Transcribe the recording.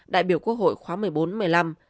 đại biểu quốc hội khóa một mươi bốn một mươi năm